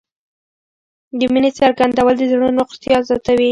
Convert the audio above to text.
د مینې څرګندول د زړونو روغتیا زیاتوي.